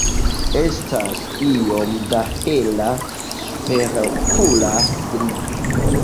Estas iom da hela superokula strio.